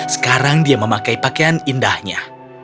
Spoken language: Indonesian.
sekarang dia memakai pakaian indahnya